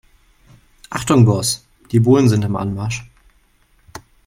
Achtung Boss, die Bullen sind im Anmarsch.